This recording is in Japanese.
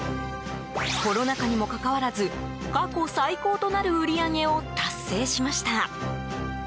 コロナ禍にもかかわらず過去最高となる売り上げを達成しました。